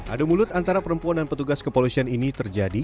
ada mulut antara perempuan dan petugas kepolosian ini terjadi